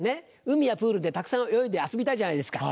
海やプールでたくさん泳いで遊びたいじゃないですか。